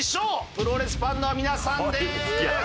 プロレスファンの皆さんです。